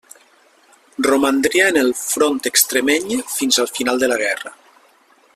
Romandria en el front extremeny fins al final de la guerra.